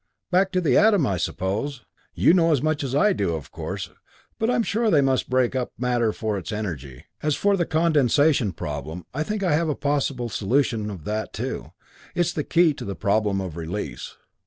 Back to the atom, I suppose." "You know as much as I do, of course, but I'm sure they must break up matter for its energy. As for the condensation problem, I think I have a possible solution of that too it's the key to the problem of release.